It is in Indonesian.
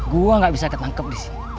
gue gak bisa ketangkep di sini